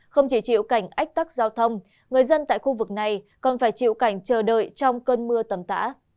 không chỉ chịu cảnh ách tắc giao thông người dân tại khu vực này còn phải chịu cảnh chờ đợi trong cơn mưa tầm tã